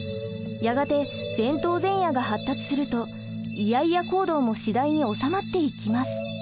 やがて前頭前野が発達するとイヤイヤ行動も次第に収まっていきます。